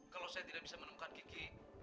kalau saya tidak bisa menemukan kiki